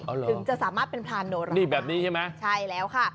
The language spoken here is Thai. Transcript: ถึงจะสามารถเป็นพรานโนรานี่แบบนี้ใช่ไหมใช่แล้วค่ะ